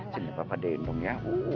sini papa dendong ya